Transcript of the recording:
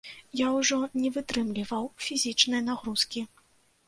Я ўжо не вытрымліваў фізічнай нагрузкі.